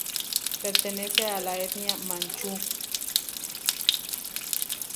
Pertenece a la etnia manchú.